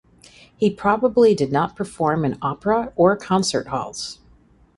He probably did not perform in opera or concert halls.